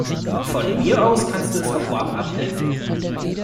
Von mir aus kannst du es auch Warmup nennen.